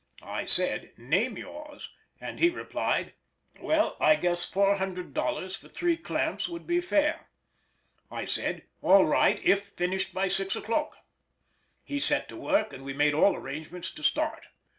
I said "Name yours," and he replied "Well I guess $400 for three clamps would be fair." I said "All right, if finished by six o'clock": he set to work, and we made all arrangements to start.